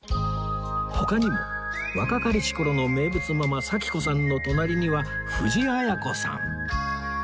他にも若かりし頃の名物ママ左岐子さんの隣には藤あや子さん